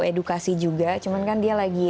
edukasi juga cuman kan dia lagi